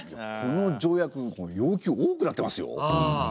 この条約要求多くなってますよ。